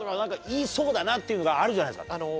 っていうのがあるじゃないですか。